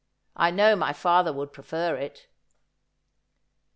I know my father would prefer it.'